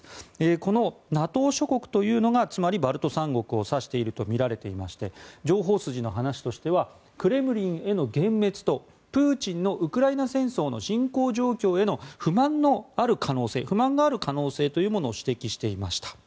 このＮＡＴＯ諸国というのがつまりバルト三国を指しているとみられていまして情報筋の話としてはクレムリンへの幻滅とプーチンのウクライナ戦争の進行状況への不満がある可能性というものを指摘していました。